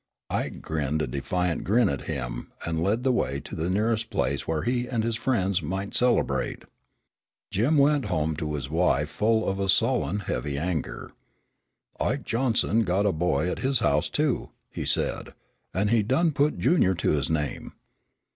Ike grinned a defiant grin at him, and led the way to the nearest place where he and his friends might celebrate. Jim went home to his wife full of a sullen, heavy anger. "Ike Johnson got a boy at his house, too," he said, "an' he done put Junior to his name."